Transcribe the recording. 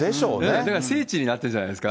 聖地になってるんじゃないですか。